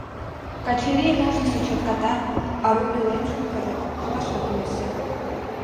Качырийын ожнысо чатката, ару пӧлемжым кызыт палашат йӧсӧ.